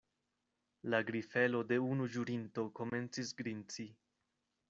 La grifelo de unu ĵurinto komencis grinci.